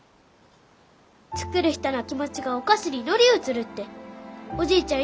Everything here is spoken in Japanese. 作る人の気持ちがお菓子に乗り移るっておじいちゃん